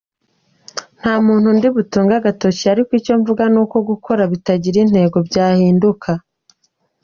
Nta muntu ndibutunge agatoki ariko icyo mvuga ni uko gukora bitagira intego byahinduka.